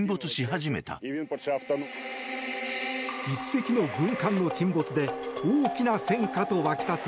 １隻の軍艦の沈没で大きな戦果と湧き立つ